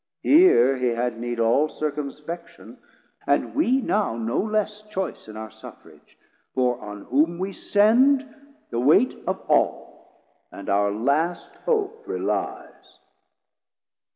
Here he had need All circumspection, and we now no less Choice in our suffrage; for on whom we send, The weight of all and our last hope relies.